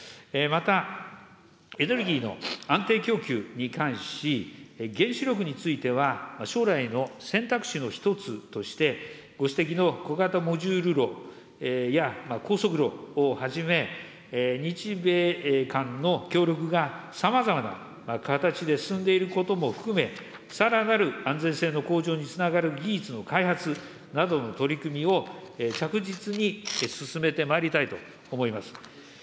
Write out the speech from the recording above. また、エネルギーの安定供給に関し、原子力については、将来の選択肢の１つとして、ご指摘の小型モジュール炉や高速炉をはじめ、日米間の協力がさまざまな形で進んでいることも含め、さらなる安全性の向上につながる技術の開発などの取り組みを着実に進めてまいりたいと思います。